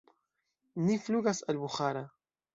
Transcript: Ni flugas al Buĥara.